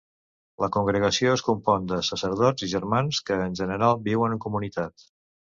La congregació es compon de sacerdots i germans que, en general, viuen en comunitat.